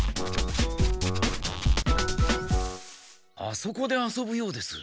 あそこで遊ぶようです。